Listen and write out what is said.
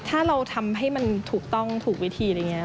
ถ้าเราทำให้มันถูกต้องถูกวิธีอะไรอย่างนี้